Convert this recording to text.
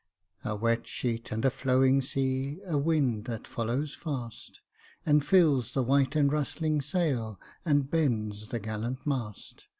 " A wet sheet and a flowing sea, A wind that follows fast. And fills the white and rustling sail, And bends the gallant mast.